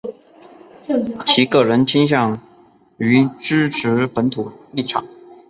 其个人倾向于支持本土立场。